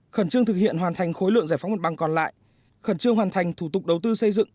khẩn trương thực hiện hoàn thành khối lượng giải phóng mặt bằng còn lại khẩn trương hoàn thành thủ tục đầu tư xây dựng